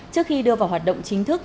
trước khi đưa vào hoạt động chính thức